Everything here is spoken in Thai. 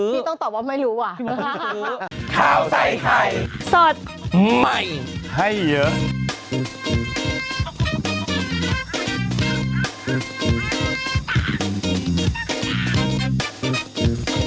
เออพี่โมดเขาไม่เคลียร์พี่โมดเขาไม่ซื้อ